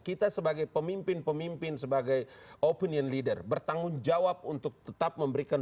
kita sebagai pemimpin pemimpin sebagai opinion leader bertanggung jawab untuk tetap memberikan